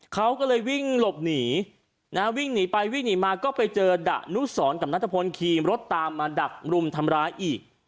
เขาก็เลยวิ่งหลบหนีวิ่งหนีไปวิ่งหนีมาก็ไปเจอดะนุสรกับนัทพลขี่มรถตามมาดักรุมทำร้ายอีก